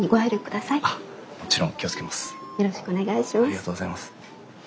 ありがとうございます。